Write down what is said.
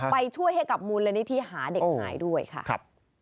ไปช่วยให้กับมูลนิธิหาเด็กหายด้วยค่ะครับ